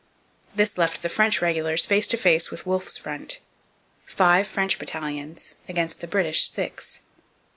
This left the French regulars face to face with Wolfe's front: five French battalions against the British six.